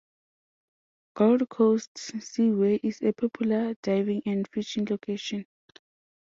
Gold Coast Seaway is a popular diving and fishing location.